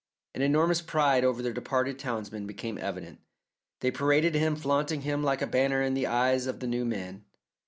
An enormous pride over their departed townsman became evident. They paraded him, flaunting him like a banner in the eyes of the new man.